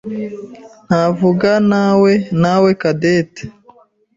ntavuganawe nawe Cadette.